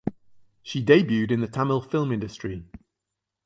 She debuted in the Tamil film industry.